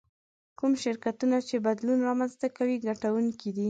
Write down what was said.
کوم شرکتونه چې بدلون رامنځته کوي ګټونکي دي.